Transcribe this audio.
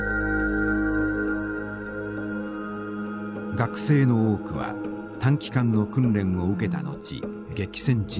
学生の多くは短期間の訓練を受けた後激戦地に送られました。